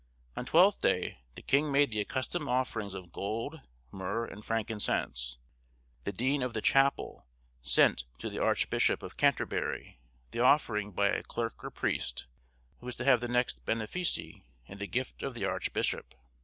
On Twelfth Day the king made the accustomed offerings of gold, myrrh, and frankincense: the dean of the chapel sent to the Archbishop of Canterbury the offering by a clerk or priest, who was to have the next benefice in the gift of the archbishop.